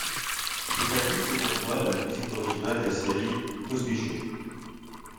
C'est à lui que l'on doit la musique originale de la série Cosby Show.